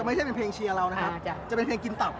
ไม่ใช่เป็นเพลงเชียร์เรานะครับจะเป็นเพลงกินตับ